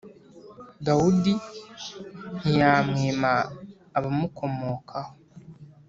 Dawudi ntiyamwima abamukomokaho.